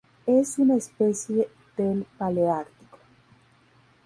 Es una especie del paleártico.